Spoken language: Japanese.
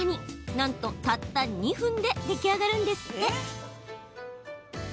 なんと、たった２分で出来上がるんですって。